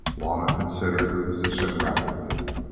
Juanna considered the position rapidly.